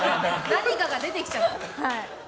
何かが出てきちゃった。